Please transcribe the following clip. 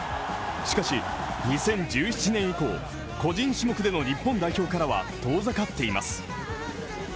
しかし、２０１１年以降、個人種目での日本代表からは遠ざかっています。